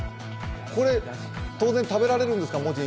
これ、当然、食べられるんですか？